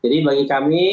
jadi bagi kami